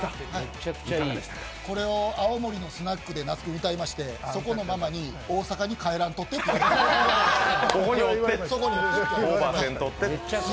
これを青森のスナックで那須君、歌いましてそこのママに大阪に帰らんといてって言われて。